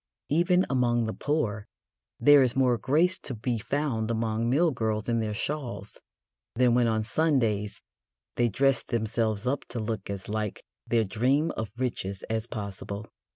Even among the poor there is more grace to be found among mill girls in their shawls than when on Sundays they dress themselves up to look as like their dream of riches as possible.